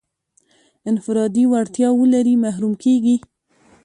انفرادي وړتیا ولري محروم کېږي.